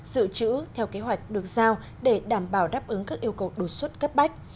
dự trữ theo kế hoạch được giao để đảm bảo đáp ứng các yêu cầu đột xuất cấp bách